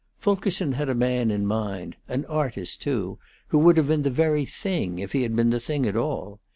Fulkerson had a man in mind, an artist, too, who would have been the very thing if he had been the thing at all.